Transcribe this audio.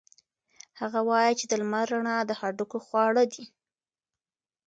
هغه وایي چې د لمر رڼا د هډوکو خواړه دي.